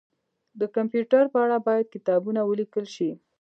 د کمپيوټر په اړه باید کتابونه ولیکل شي